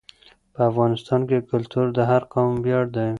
په افغانستان کې کلتور د هر قوم ویاړ دی.